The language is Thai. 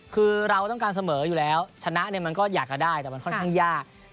คือเราต้องการเสมออยู่แล้วชนะเนี่ยมันก็อยากจะได้แต่มันค่อนข้างยาก